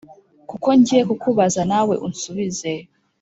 kuko ngiye kukubaza nawe unsubize